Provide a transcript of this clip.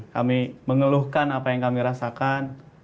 kami mengeluhkan apa yang kami rasakan